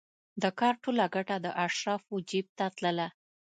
د کار ټوله ګټه د اشرافو جېب ته تلله.